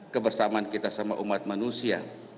kebersamaan kita sama umat manusia